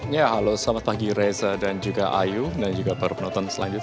ya halo selamat pagi reza dan juga ayu dan juga para penonton selanjutnya